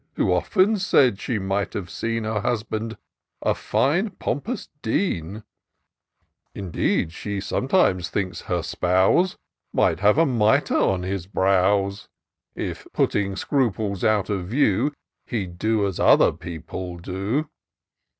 Who often says she might have seen Her husband a fine, pompous Dean : Indeed, she sometimes thinks her spouse Might have a mitre on his brows, If, putting scruples out of view. He'd do as other people do.